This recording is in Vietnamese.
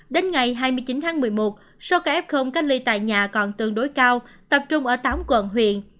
đến ngày hai mươi chín tháng một mươi một số ca f cách ly tại nhà còn tương đối cao tập trung ở tám quận huyện